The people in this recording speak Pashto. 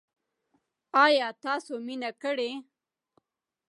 ایا تاسو مینه کړې؟